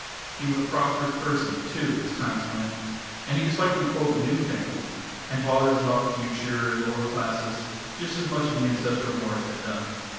He was a prosperous person, too, as times went, and he disliked the "new fangled," and bothers about the future and the lower classes, just as much as the ancestral Morris had done.